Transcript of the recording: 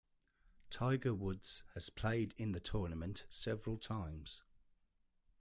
Tiger Woods has played in the tournament several times.